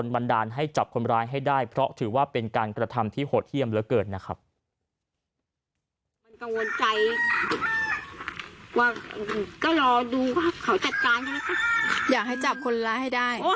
ว่าอืมก็รอดูเขาจัดการกันแล้วกันอยากให้จับคนร้ายให้ได้โอ้ย